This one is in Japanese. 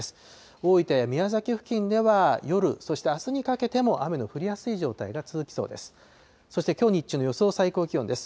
大分や宮崎付近では夜、そしてあすにかけても雨の降りやすい状態が続きそうです。